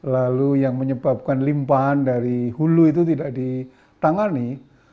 lalu yang menyebabkan limpahan dari hulu itu tidak ditangani